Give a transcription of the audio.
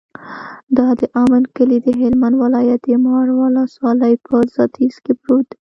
د دامن کلی د هلمند ولایت، د مار ولسوالي په ختیځ کې پروت دی.